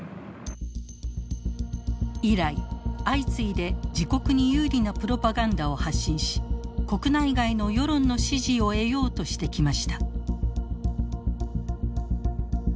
以来相次いで自国に有利なプロパガンダを発信し国内外の世論の支持を得ようとしてきました。